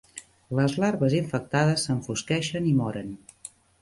Les larves infectades s'enfosqueixen i moren.